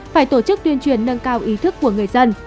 phải tổ chức tuyên truyền nâng cao ý thức của người dân